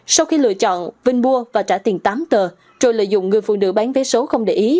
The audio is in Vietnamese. sau khi lựa chọn vinh mua và trả tiền tám tờ rồi lợi dụng người phụ nữ bán vé số không để ý